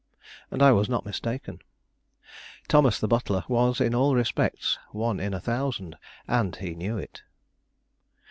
And I was not mistaken; Thomas, the butler, was in all respects one in a thousand and he knew it.